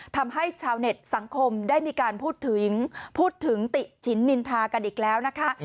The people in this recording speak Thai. ทำให้ชาวเน็ตสังคมได้มีการพูดถึงพูดถึงติฉินนินทากันอีกแล้วนะคะ